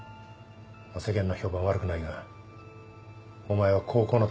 世間の評判は悪くないがお前は高校のときから嫌ってた。